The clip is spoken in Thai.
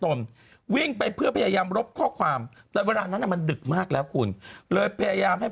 ตนวิ่งไปเพื่อพยายามรบข้อความแต่เวลานั้นมันดึกมากแล้วคุณเลยพยายามให้